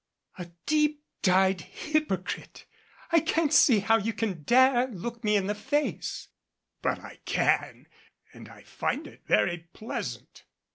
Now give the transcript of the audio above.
"A deep dyed hypocrite I can't see how you can dare look me in the face " "But I can and I find it very pleasant."